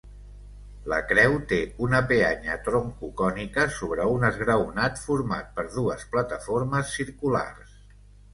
La creu té una peanya troncocònica sobre un esgraonat format per dues plataformes circulars.